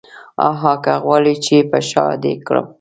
هاهاها که غواړې چې په شاه دې کړم.